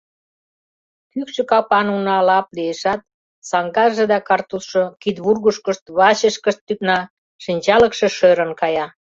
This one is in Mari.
Кӱкшӧ капан уна лап лиешат, саҥгаже да картузшо кидвургышкышт, вачышкышт тӱкна, шинчалыкше шӧрын кая.